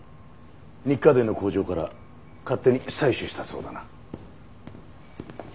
ニッカデンの工場から勝手に採取したそうだな。